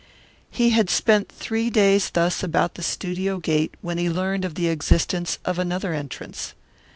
He had spent three days thus about the studio gate when he learned of the existence of another entrance.